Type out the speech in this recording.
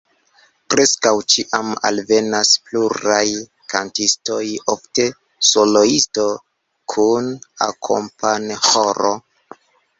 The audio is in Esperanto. Preskaŭ ĉiam alvenas pluraj kantistoj, ofte soloisto kun akompanĥoro.